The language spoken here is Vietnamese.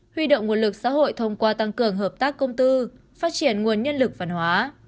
huy động nguồn lực xã hội thông qua tăng cường hợp tác công tư phát triển nguồn nhân lực văn hóa